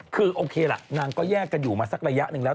คือโอเคล่ะนางก็แยกกันอยู่มาสักระยะหนึ่งแล้ว